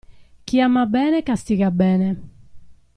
Chi ama bene castiga bene.